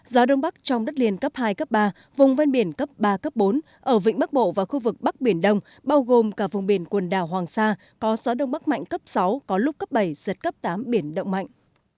gió đông bắc trong đất liền cấp hai cấp ba vùng ven biển cấp ba cấp bốn ở vịnh bắc bộ và khu vực bắc biển đông bao gồm cả vùng biển quần đảo hoàng sa có gió đông bắc mạnh cấp sáu có lúc cấp bảy giật cấp tám biển động mạnh